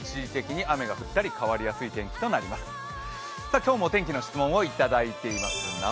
今日もお天気の質問をいただいております。